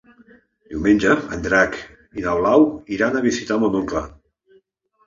Diumenge en Drac i na Blau iran a visitar mon oncle.